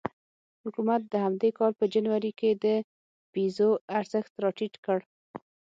حکومت د همدې کال په جنوري کې د پیزو ارزښت راټیټ کړ.